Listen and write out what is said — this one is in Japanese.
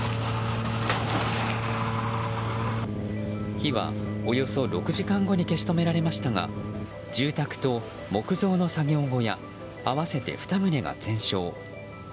火は、およそ６時間後に消し止められましたが住宅と木造の作業小屋合わせて２棟が全焼。